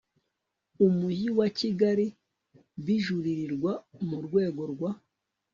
umujyi wa kigali bijuririrwa mu rwego rwa